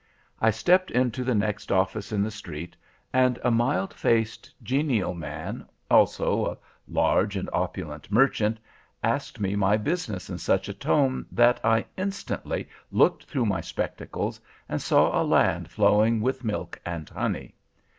"I stepped into the next office in the street, and a mild faced, genial man, also a large and opulent merchant, asked me my business in such a tone, that I instantly looked through my spectacles, and saw a land flowing with milk and honey.